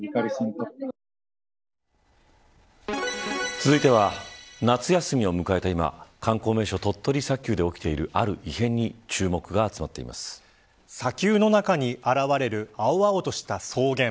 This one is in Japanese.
続いては夏休みを迎えた今観光名所、鳥取砂丘で起きているある異変に砂丘の中に現れる青々とした草原。